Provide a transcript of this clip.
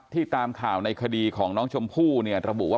ที่ตามข่าวในคดีของน้องชมผู้ระบุว่า